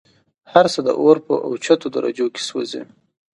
هرڅه د اور په اوچتو درجو كي سوزي